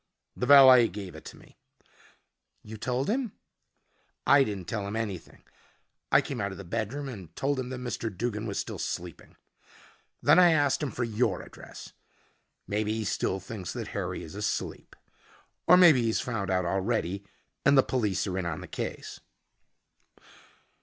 "The valet gave it to me." "You told him ?" "I didn't tell him anything. I came out of the bedroom and told him that Mr. Duggin was still sleeping. Then I asked him for your address. Maybe he still thinks that Harry is asleep. Or maybe he's found out already and the police are in on the case."